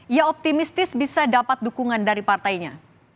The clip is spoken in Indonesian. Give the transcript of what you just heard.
ia optimistis bisa dapat dukungan dari partainya